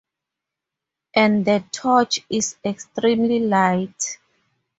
And the torch is extremely light.